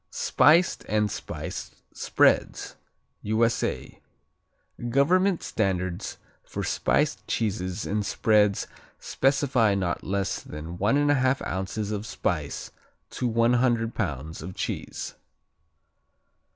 Spiced and Spiced Spreads U.S.A. Government standards for spiced cheeses and spreads specify not less than 1 1/2 ounces of spice to 100 pounds of cheese.